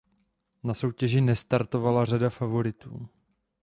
Na soutěži nestartovala řada favoritů.